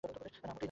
না মোটেই না।